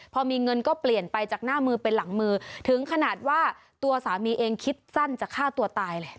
พอมีเงินก็เปลี่ยนไปจากหน้ามือเป็นหลังมือถึงขนาดว่าตัวสามีเองคิดสั้นจะฆ่าตัวตายเลย